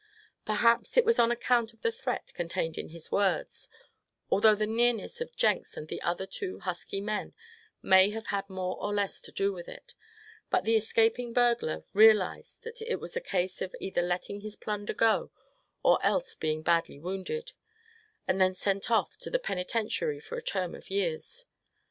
Perhaps it was on account of the threat contained in his words; although the nearness of Jenks, and the other two husky men, may have had more or less to do with it; but the escaping burglar realized that it was a case of either letting his plunder go, or else being badly wounded, and then sent to the penitentiary for a term of years.